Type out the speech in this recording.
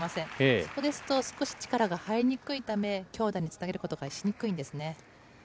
そこですと少し力が入りにくいため、強打につなげることがしにくいんですね。